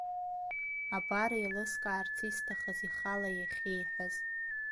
Абар еилыскаарц исҭахыз ихала иахьиҳәаз!